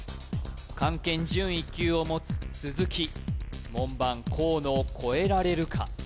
漢検準１級を持つ鈴木門番河野を超えられるか？